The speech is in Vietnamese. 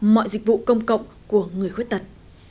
mọi dịch vụ công cộng của người khuyết tật